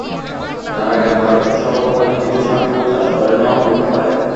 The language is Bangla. তার আগে আবার স্বল্পকালীন কিছু শাকও চাষ করে নেওয়া যেতে পারে।